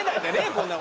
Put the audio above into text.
こんなの。